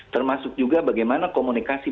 termasuk juga bagaimana komunikasi